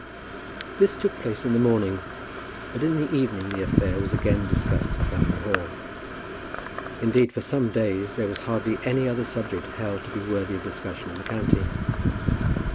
This took place in the morning, but in the evening the affair was again discussed at Framley Hall. Indeed, for some days, there was hardly any other subject held to be worthy of discussion in the county.